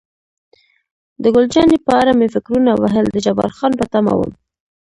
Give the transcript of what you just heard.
د ګل جانې په اړه مې فکرونه وهل، د جبار خان په تمه وم.